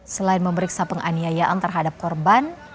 selain memeriksa penganiayaan terhadap korban